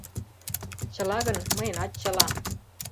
Чыла гын, мыйынат чыла.